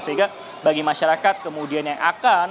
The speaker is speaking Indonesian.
sehingga bagi masyarakat kemudian yang akan